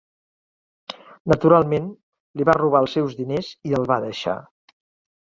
Naturalment, li va robar els seus diners i el va deixar.